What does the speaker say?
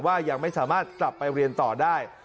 ยังไม่สามารถกลับไปเรียนต่อได้